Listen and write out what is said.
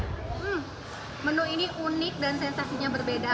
hmm menu ini unik dan sensasinya berbeda